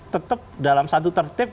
tetap dalam satu tertib